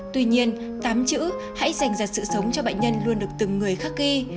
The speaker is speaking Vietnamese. tuy nhiên tám chữ hãy dành ra sự sống cho bệnh nhân luôn được từng người khắc ghi